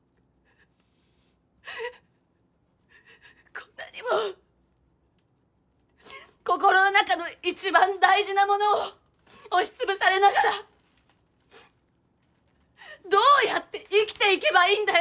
こんなにもううっ心の中の一番大事なものを押し潰されながらううっどうやって生きていけばいいんだよ。